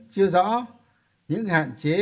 chưa rõ những hạn chế